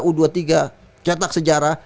u dua puluh tiga cetak sejarah